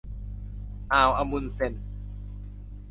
อ่าวอะมุนด์เซน